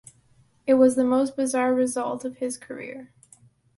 It was the most bizarre result of his career.